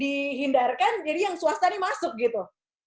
dihindarkan jadi yang swastani masuk gitu